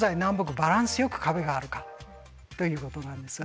バランスよく壁があるかということなんです。